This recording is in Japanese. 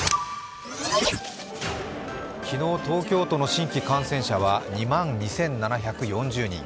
昨日、東京都の新規感染者は２万２７４０人。